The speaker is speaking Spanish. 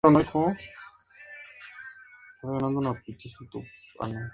En terceras nupcias, con Luz Carvallo Stagg, con quien no tuvo hijos.